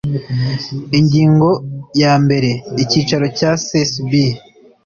ingingoya mbere icyicaro cya cesb